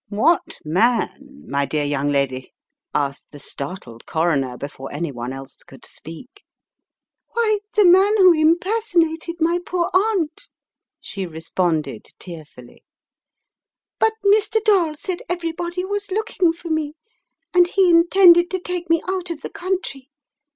"What man, my dear young lady?" asked the startled Coroner before any one else could speak. " Why, the man who impersonated my poor aunt !" she responded, tearfully. "But Mr. Dall said every body was looking for me, and he intended to take me out of the country.